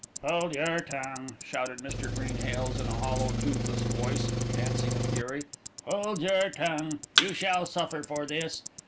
"Hold your tongue!" shouted Mr. Greenhales, in a hollow, toothless voice, dancing with fury. "Hold your tongue! You shall suffer for this."